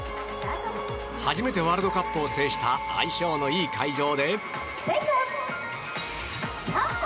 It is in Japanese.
初めてワールドカップを制した相性のいい会場で。